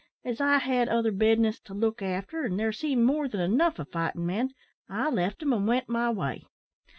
As I had other business to look after, and there seemed more than enough o' fightin' men, I left them, and went my way.